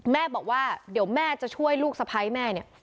แม่บอกว่าเดี๋ยวแม่จะช่วยลูกสะพ้ายแม่เนี่ย